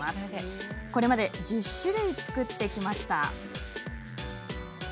これまで１０種類作ってきました。